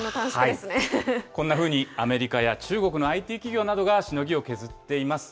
こんなふうにアメリカや中国のＩＴ企業などがしのぎを削っています。